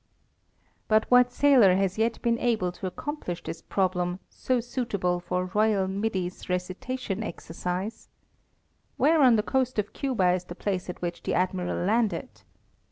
¢ But what sailor has yet been able to accomplish this problem so suitable for a royal middy's recitation exercise? Where on the coast of Cuba is the place at which the Admiral landed?